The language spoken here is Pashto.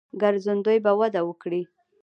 ګرځندوی به وده وکړي.